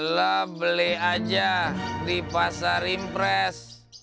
lah beli aja di pasar impres